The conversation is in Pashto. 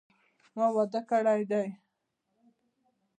ما واده کړی دي